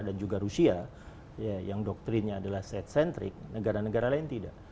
dan juga rusia yang doktrinnya adalah state centric negara negara lain tidak